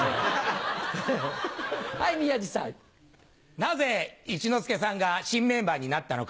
なぜ一之輔さんが新メンバーになったのか。